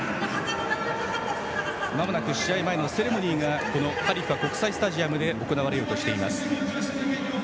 まもなく試合前のセレモニーがこのハリファ国際スタジアムで行われようとしています。